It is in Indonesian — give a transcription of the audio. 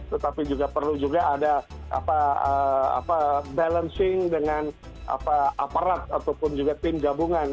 tetapi juga perlu juga ada balancing dengan aparat ataupun juga tim gabungan